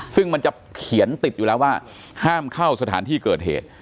ซึ่งมันจะเขียนติดอยู่แล้วว่าห้ามเข้าสถานที่เกิดเหตุ